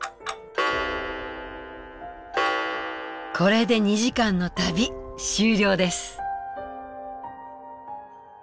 これで２時間の旅終了です。